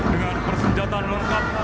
dengan persenjataan lengkap